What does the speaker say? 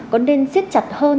có nên xiết chặt hơn